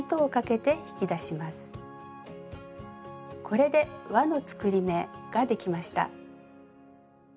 これで「わの作り目」ができました。